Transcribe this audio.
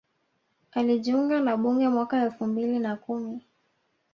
Alijiunga na bunge mwaka elfu mbili na kumi